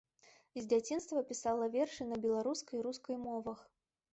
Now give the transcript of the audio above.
З дзяцінства пісала вершы на беларускай і рускай мовах.